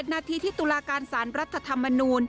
นาทีที่ตุลาการสารรัฐธรรมนูล